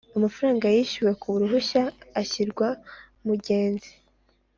Amafaranga yishyuwe ku ruhushya ashyirwa Mungenzi